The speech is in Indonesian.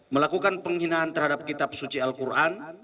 melakukan penghinaan terhadap kitab suci al quran